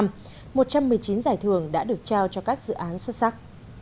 một trăm một mươi chín giải thưởng đã được trao cho các dự án xuất sắc